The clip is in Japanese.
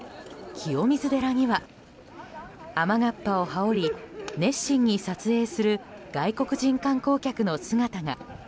清水寺には雨がっぱを羽織り熱心に撮影する外国人観光客の姿が。